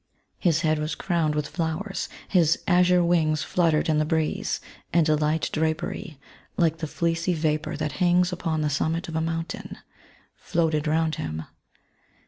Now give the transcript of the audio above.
His head was crowned with flowers ; his azure wings fluttered in the breeze, and a light drapery, like the fleecy vapour that hangs upon the summit of a mountain, floated round him.